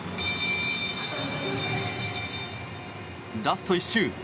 ラスト１周。